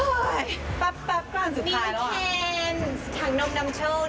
นี่แค่ถังนมนำโชคนะคะ